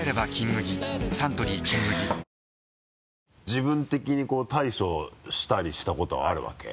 自分的に対処したりしたことはあるわけ？